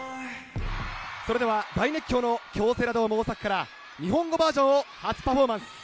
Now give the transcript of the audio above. それでは、大熱狂の京セラドーム大阪から、日本語バージョンを初パフォーマンス。